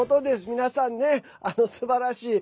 皆さんね、すばらしい。